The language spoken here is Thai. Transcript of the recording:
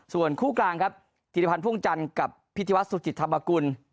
ส่วนคู่กลางครับธิริพันธ์พ่วงจันทร์กับพิธีวัฒนสุจิตธรรมกุล